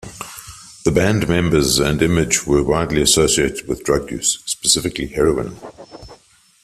The band's members and image were widely associated with drug use, specifically heroin.